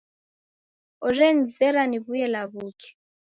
Orenizera niw'uye law'uke.